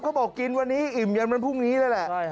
เขาบอกกินวันนี้อิ่มยันวันพรุ่งนี้เลยแหละ